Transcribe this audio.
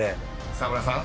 ［沢村さん］